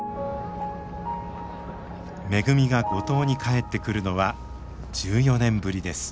めぐみが五島に帰ってくるのは１４年ぶりです。